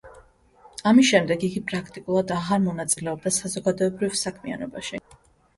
ამის შემდეგ იგი პრაქტიკულად აღარ მონაწილეობდა საზოგადოებრივ საქმიანობაში.